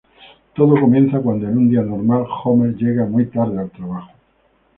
Todo comienza cuando, en un día normal, Homer llega muy tarde al trabajo.